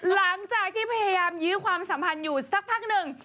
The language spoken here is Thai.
หลังจากที่พยายามยื้อความสัมพันธ์อยู่สักพักหนึ่ง